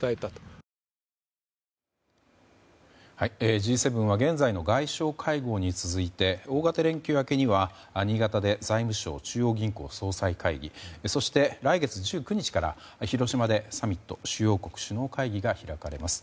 Ｇ７は現在の外相会合に続いて大型連休明けには新潟で財務相・中央銀行総裁会議そして来月１９日から広島でサミット・主要国首脳会議が開かれます。